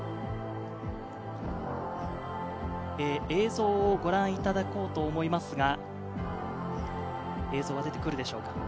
映像をご覧いただこうと思いますが、映像が出てくるでしょうか。